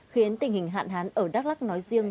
khiến tình hình hạn hán ở đắk lắc nói riêng